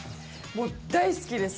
もう大好きです！